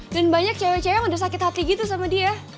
dan banyak cewek cewek yang udah sakit hati gitu sama dia